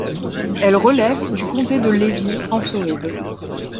Elle relève du comté de Levy, en Floride.